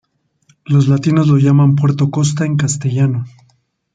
Los latinos lo llaman Puerto Costa en castellano.